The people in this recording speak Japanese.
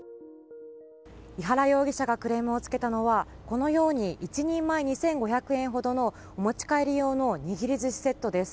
井原容疑者がクレームをつけたのはこのように１人前２５００円ほどのお持ち帰り用の握り寿司セットです。